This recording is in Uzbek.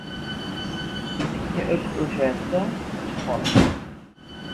• Ikki it urushayotsa qochib qol.